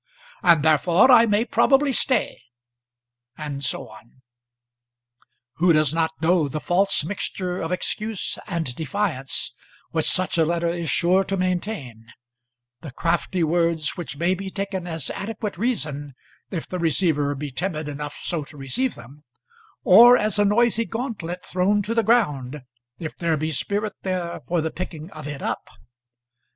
"And therefore I may probably stay," and so on. Who does not know the false mixture of excuse and defiance which such a letter is sure to maintain; the crafty words which may be taken as adequate reason if the receiver be timid enough so to receive them, or as a noisy gauntlet thrown to the ground if there be spirit there for the picking of it up?